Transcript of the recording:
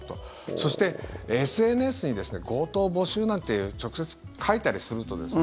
そして、ＳＮＳにですね「強盗募集」なんて直接書いたりするとですね